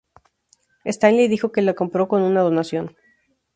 Stanley dijo que lo compró con una donación.